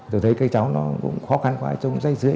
tôi thấy cái cháu nó cũng khó khăn quá cháu cũng dây dưa